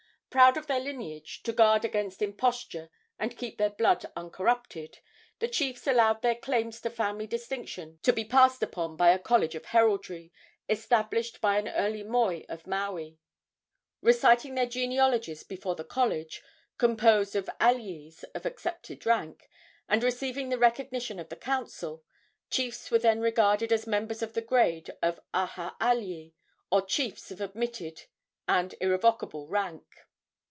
Proud of their lineage, to guard against imposture and keep their blood uncorrupted, the chiefs allowed their claims to family distinction to be passed upon by a college of heraldry, established by an early moi of Maui. Reciting their genealogies before the college, composed of aliis of accepted rank, and receiving the recognition of the council, chiefs were then regarded as members of the grade of aha alii, or chiefs of admitted and irrevocable rank.